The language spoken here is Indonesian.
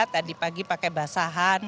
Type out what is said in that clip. tadi pagi pakai basahan